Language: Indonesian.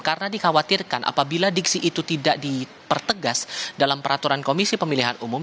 karena dikhawatirkan apabila diksi itu tidak dipertegas dalam peraturan komisi pemilihan umum